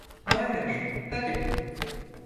Hayır, hadi.